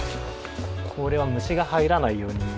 これは虫が入らないように。